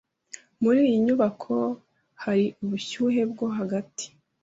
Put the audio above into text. Muri iyi nyubako hari ubushyuhe bwo hagati?